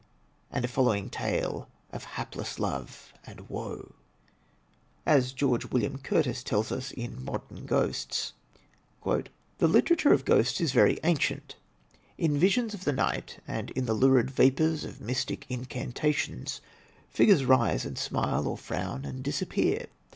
and a following tale of hapless love and woe. As George William Curtis tells us, in " Modem Ghosts: "The literature of ghosts is very ancient. In visions of the night and in the lurid vapors of mystic incantations, figures rise and smile or frown and disappear.